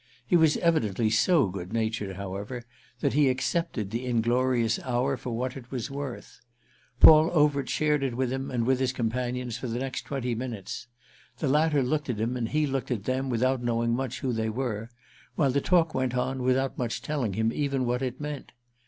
He was evidently so good natured, however, that he accepted the inglorious hour for what it was worth. Paul Overt shared it with him and with his companions for the next twenty minutes; the latter looked at him and he looked at them without knowing much who they were, while the talk went on without much telling him even what it meant.